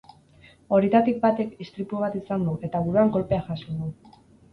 Horietako batek istripu bat izan du eta buruan kolpea jaso du.